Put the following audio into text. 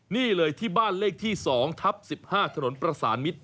นี่เลยที่บ้านเลขที่๒ทับ๑๕ถนนประสานมิตร